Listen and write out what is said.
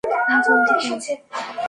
জলদি, ক্যাম।